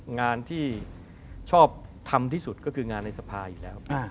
งานที่ชอบทำที่สุดก็คืองานในสภาอยู่แล้ว